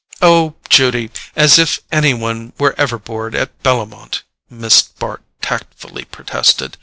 "Oh, Judy—as if any one were ever bored at Bellomont!" Miss Bart tactfully protested.